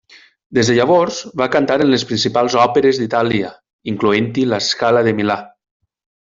Des de llavors va cantar en les principals òperes d'Itàlia, incloent-hi La Scala de Milà.